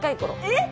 えっ！